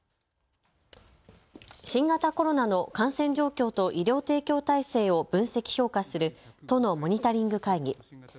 新型コロナの感染状況と医療提供体制を分析・評価する都のモニタリング会議。